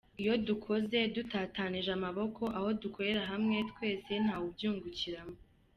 Iyo dukoze dutatanije amaboko aho gukorera hamwe, twese ntawe ubyungukiramo.